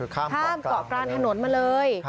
ข้ามเกาะกลางถนนมาเลย